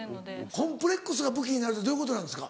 コンプレックスが武器になるってどういうことなんですか？